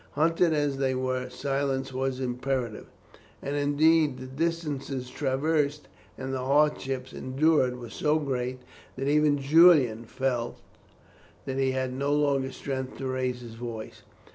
Hunted as they were, silence was imperative, and indeed the distances traversed and the hardships endured were so great that even Julian felt that he had no longer strength to raise his voice.